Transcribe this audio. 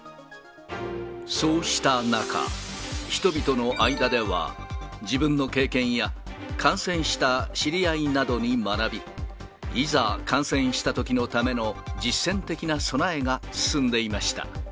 そうした中、人々の間では自分の経験や、感染した知り合いなどに学び、いざ感染したときのための実践的な備えが進んでいました。